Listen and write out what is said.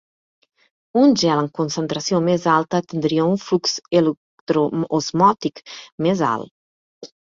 Un gel en concentració més alta tindria un flux electroosmòtic més alt.